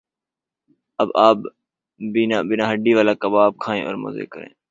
اب آپ بینا ہڈی والا کباب کھائیں اور مزے کریں